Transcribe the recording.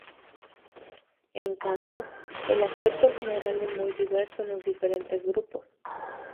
En cambio, el aspecto general es muy diverso en los diferentes grupos.